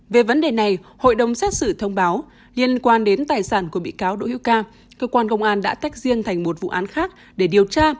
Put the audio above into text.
về vấn đề này hội đồng xét xử thông báo liên quan đến tài sản của bị cáo đỗ hữu ca cơ quan công an đã tách riêng thành một vụ án khác để điều tra